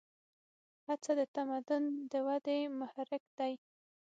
هڅه د تمدن د ودې محرک دی.